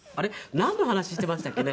なんの話していましたっけね。